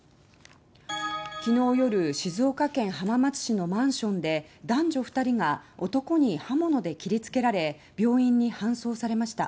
昨日夜静岡県浜松市のマンションで男女２人が男に刃物で切りつけられ病院に搬送されました。